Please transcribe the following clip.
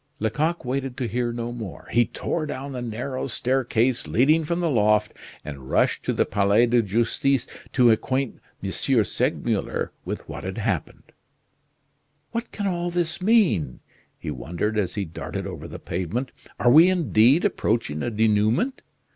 Lecoq waited to hear no more. He tore down the narrow staircase leading from the loft, and rushed to the Palais de Justice to acquaint M. Segmuller with what had happened. "What can all this mean?" he wondered as he darted over the pavement. "Are we indeed approaching a denouement?